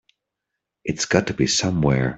It's got to be somewhere.